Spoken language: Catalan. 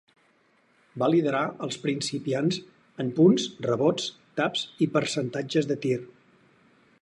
Va liderar els principiants en punts, rebots, taps i percentatges de tir.